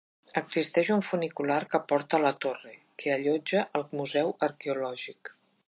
Existeix un funicular que porta a la torre, que allotja un museu arqueològic.